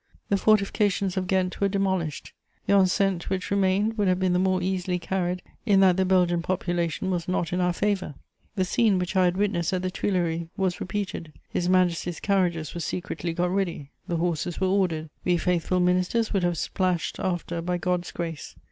The fortifications of Ghent were demolished; the enceinte which remained would have been the more easily carried in that the Belgian population was not in our favour. The scene which I had witnessed at the Tuileries was repeated: His Majesty's carriages were secretly got ready; the horses were ordered. We faithful ministers would have splashed after by God's grace.